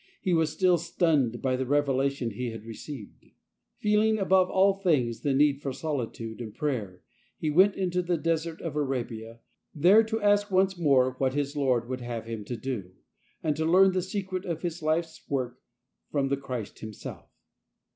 He was still stunned by the revelation he had received. ; Feeling above all things the need for solitude ; and prayer, he went into the desert of Arabia, ! there to ask once more what his Lord would have him to do, and to learn the secret of his | life's work from the Christ Himself.